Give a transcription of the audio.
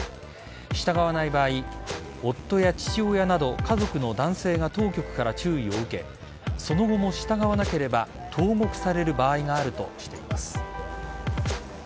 従わない場合、夫や父親など家族の男性が当局から注意を受けその後も従わなければ投獄される場合があるとしています。